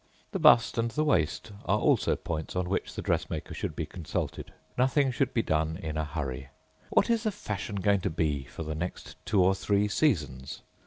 The bust and the waist are also points on which the dressmaker should be consulted. Nothing should be done in a hurry. What is the fashion going to be for the next two or three seasons?